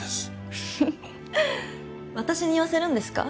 フフフ私に言わせるんですか？